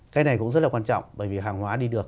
cái này cũng rất là quan trọng bởi vì hàng hóa đi được